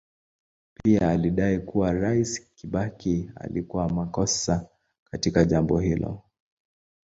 Pia alidai kuwa Rais Kibaki alikuwa makosa katika jambo hilo.